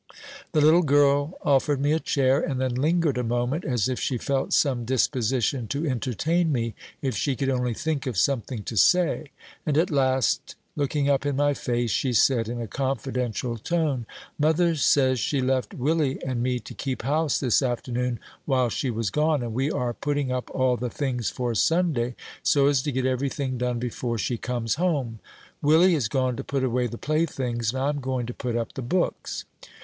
The little girl offered me a chair, and then lingered a moment, as if she felt some disposition to entertain me if she could only think of something to say; and at last, looking up in my face, she said, in a confidential tone, "Mother says she left Willie and me to keep house this afternoon while she was gone, and we are putting up all the things for Sunday, so as to get every thing done before she comes home. Willie has gone to put away the playthings, and I'm going to put up the books."